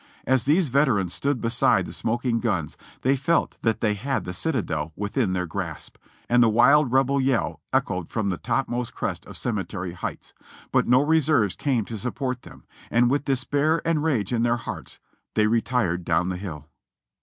As these veterans stood beside the smoking guns, they felt that they had the citadel within their grasp, and the wild Rebel yell echoed from the topmost crest of Cemetery Heights; but no reserves came to support them, and with despair and rage in their hearts, they retired down the hill.